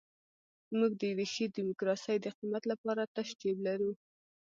موږ د یوې ښې ډیموکراسۍ د قیمت لپاره تش جیب لرو.